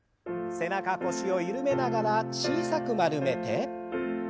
背中腰を緩めながら小さく丸めて。